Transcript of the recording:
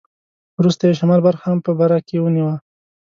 وروسته یې شمال برخه هم په برکې ونیوه.